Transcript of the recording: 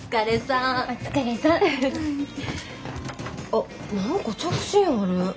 あっ何か着信ある。